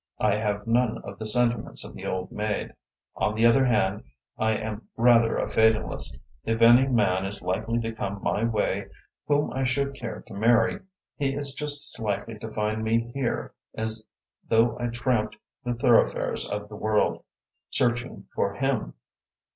I have none of the sentiments of the old maid. On the other hand, I am rather a fatalist. If any man is likely to come my way whom I should care to marry, he is just as likely to find me here as though I tramped the thoroughfares of the world, searching for him.